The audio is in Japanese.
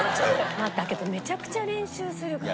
まあだけどめちゃくちゃ練習するから。